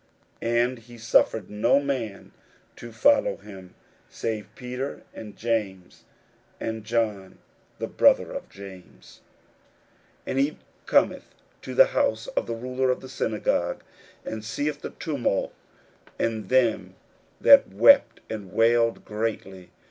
41:005:037 And he suffered no man to follow him, save Peter, and James, and John the brother of James. 41:005:038 And he cometh to the house of the ruler of the synagogue, and seeth the tumult, and them that wept and wailed greatly.